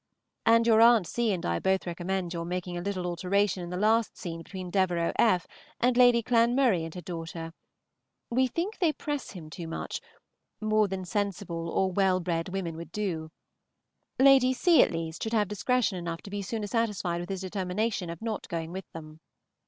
And your Aunt C. and I both recommend your making a little alteration in the last scene between Devereux F. and Lady Clanmurray and her daughter. We think they press him too much, more than sensible or well bred women would do; Lady C., at least, should have discretion enough to be sooner satisfied with his determination of not going with them.